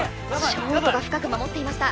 ショートが深く守っていました